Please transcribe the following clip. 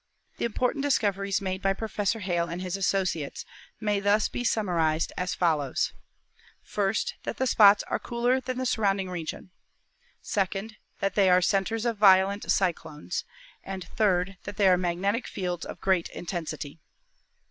The important discoveries made by Professor Hale and his associates may thus be summarized as follows : First, that the spots are cooler than the surrounding region ; second, that they are centers of violent cyclones, and, third, that they are magnetic fields of great intensity.